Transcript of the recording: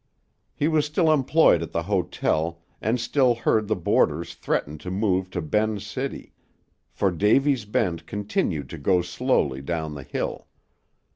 He was still employed at the hotel, and still heard the boarders threaten to move to Ben's City; for Davy's Bend continued to go slowly down the hill.